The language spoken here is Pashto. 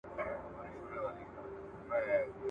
که د حق ملاتړ وکړي باطل به خامخا ماتې وخوري.